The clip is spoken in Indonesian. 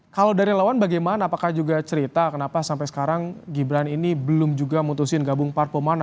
kalau dari lawan bagaimana apakah juga cerita kenapa sampai sekarang gibran ini belum juga mutusin gabung parpol mana